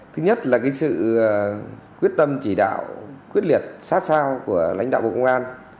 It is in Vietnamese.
thứ nhất là sự quyết tâm chỉ đạo quyết liệt sát sao của lãnh đạo bộ công an